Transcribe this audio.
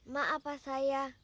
maaf pak saya